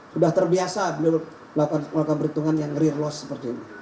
sudah terbiasa beliau melakukan perhitungan yang real loss seperti ini